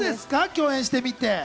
共演してみて。